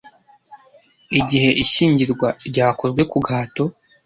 igihe ishyingirwa ryakozwe ku gahato